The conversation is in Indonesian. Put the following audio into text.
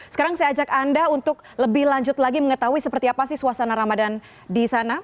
sekarang saya ajak anda untuk lebih lanjut lagi mengetahui seperti apa sih suasana ramadan di sana